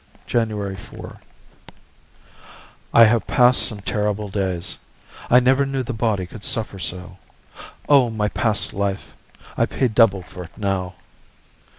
January 4. I have passed some terrible days. I never knew the body could suffer so. Oh, my past life! I pay double for it now.